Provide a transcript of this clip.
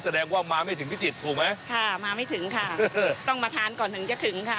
แสดงว่ามาไม่ถึงพิจิตรถูกไหมค่ะมาไม่ถึงค่ะต้องมาทานก่อนถึงจะถึงค่ะ